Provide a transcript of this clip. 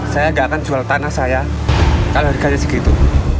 saya gak akan jual tanah saya kalau dikasih segitu